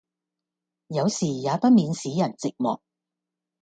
有時也不免使人寂寞，